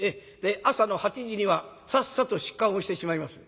「朝の８時にはさっさと出棺をしてしまいます」。